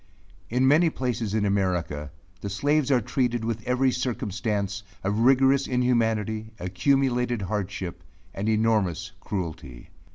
In many places in America, the slaves are treated with every circumstance of rigorous inhumanity, accumulated hardship, and enormous cruelty.